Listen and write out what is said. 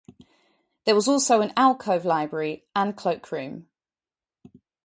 There was also an alcove library and cloakroom.